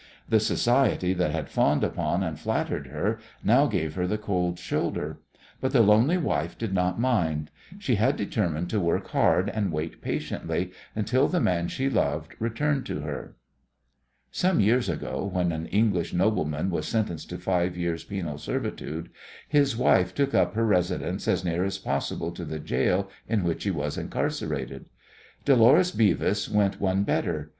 The society that had fawned upon and flattered her now gave her the cold shoulder. But the lonely wife did not mind. She had determined to work hard and wait patiently until the man she loved returned to her. Some years ago when an English nobleman was sentenced to five years' penal servitude his wife took up her residence as near as possible to the gaol in which he was incarcerated. Dolores Beavis went one better.